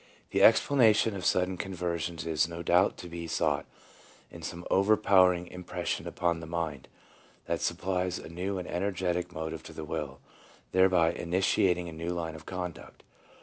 2 "The explanation of sudden conversions is no doubt to be sought in some overpowering impression upon the mind that supplies a new and energetic motive to the will, thereby initiat ing a new line of conduct.